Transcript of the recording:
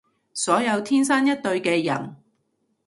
所有天生一對嘅人